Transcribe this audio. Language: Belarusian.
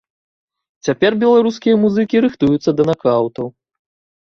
Цяпер беларускія музыкі рыхтуюцца да накаўтаў.